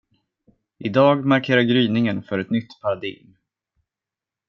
Idag markerar gryningen för ett nytt paradigm.